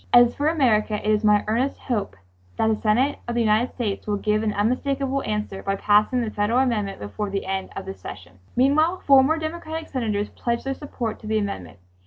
As for America it is my earnest hope that the Senate of the United States will give an unmistakable answer by passing the federal amendment before the end of this session." Meanwhile four more Democratic Senators pledged their support to the amendment.